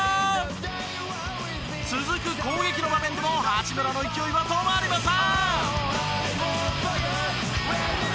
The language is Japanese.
続く攻撃の場面でも八村の勢いは止まりません！